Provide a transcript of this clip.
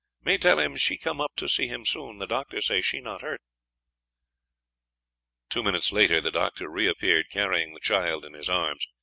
"Me tell him she come up to see him soon; the doctor say she no hurt." Two minutes later the doctor reappeared, carrying the child in his arms.